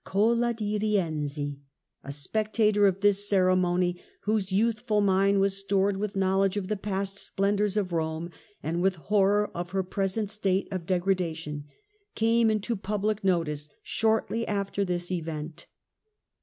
Cola di Eienzi, a spectator of this ceremony, whose Rise of youthful mind was stored with knowledge of the past '^"^^ splendours of Eome and with horror at her present state of degradation, came into public notice shortly after this event.